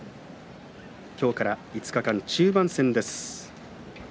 今日から５日間、中盤戦です。